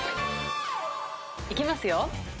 いきますよ。